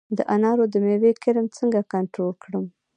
د انارو د میوې کرم څنګه کنټرول کړم؟